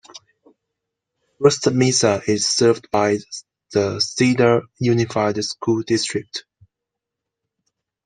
First Mesa is served by the Cedar Unified School District.